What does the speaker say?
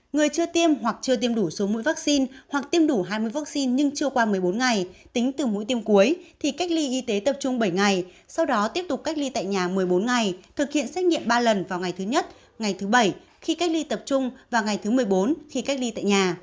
người chưa tiêm hoặc chưa tiêm đủ số mũi vaccine hoặc tiêm đủ hai mươi vaccine nhưng chưa qua một mươi bốn ngày tính từ mũi tiêm cuối thì cách ly y tế tập trung bảy ngày sau đó tiếp tục cách ly tại nhà một mươi bốn ngày thực hiện xét nghiệm ba lần vào ngày thứ nhất ngày thứ bảy khi cách ly tập trung vào ngày thứ một mươi bốn khi cách ly tại nhà